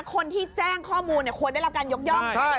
คนที่แจ้งข้อมูลควรได้รับการยกย่อง